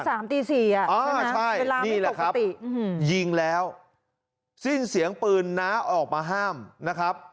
ตีสามตีสี่นี่แหละครับยิงแล้วสิ้นเสียงปืนน้าน้าออกมาห้ามนะครับ